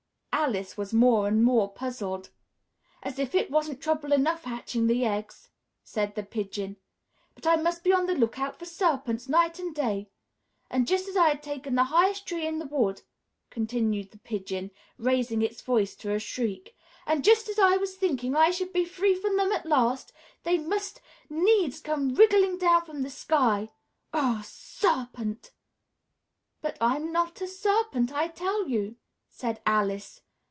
Alice was more and more puzzled. "As if it wasn't trouble enough hatching the eggs," said the Pigeon, "but I must be on the look out for serpents, night and day! And just as I'd taken the highest tree in the wood," continued the Pigeon, raising its voice to a shriek, "and just as I was thinking I should be free of them at last, they must needs come wriggling down from the sky! Ugh, Serpent!" "But I'm not a serpent, I tell you!" said Alice.